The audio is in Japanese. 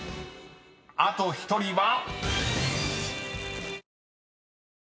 あと１人は］